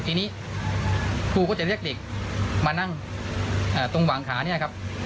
ทีนี้ครูก็จะเรียกเด็กมานั่งตรงหวังขาเนี่ยครับ